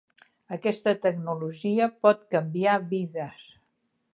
Aquesta tecnologia pot canviar vides.